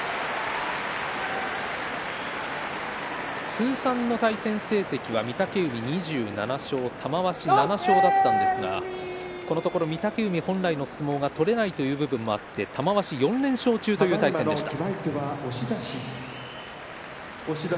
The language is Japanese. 通算の対戦成績は御嶽海２７勝玉鷲７勝だったんですがこのところ御嶽海本来の相撲が取れないということもあってよく残しましたよね。